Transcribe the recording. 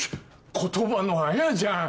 言葉のあやじゃん。